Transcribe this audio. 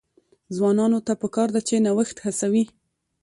ځوانانو ته پکار ده چې، نوښت هڅوي.